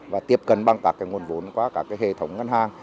và tiếp cận bằng các nguồn vốn qua các hệ thống ngân hàng